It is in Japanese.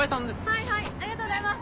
はいはいありがとうございます。